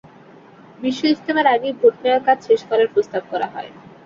বিশ্ব ইজতেমার আগেই ভোট নেওয়ার কাজ শেষ করার প্রস্তাব করা হয়।